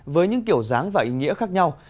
với những kiểu dáng và ý nghĩa khác nhau